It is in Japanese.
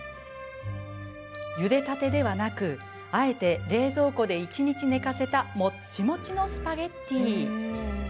ゆでたてではなくあえて冷蔵庫で一日寝かせたもっちもちのスパゲッティ。